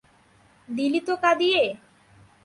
দিলি তো কাঁদিয়ে।